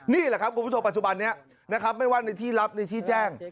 นี่แหละครับคุณผู้ชมปัจจุบันนี้นะครับไม่ว่าในที่ลับในที่แจ้ง